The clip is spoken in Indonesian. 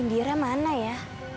indira mana ya